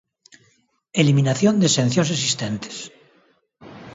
Eliminación de exencións existentes.